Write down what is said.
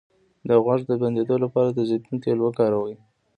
د غوږ د بندیدو لپاره د زیتون تېل وکاروئ